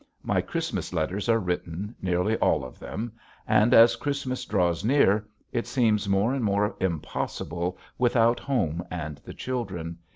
My Christmas letters are written, nearly all of them. And as Christmas draws near it seems more and more impossible without home and the children.